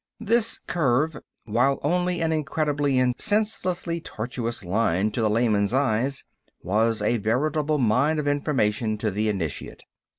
This curve, while only an incredibly and senselessly tortuous line to the layman's eye, was a veritable mine of information to the initiate.